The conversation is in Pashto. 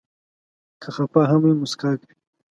که خفه هم وي، مسکا کوي.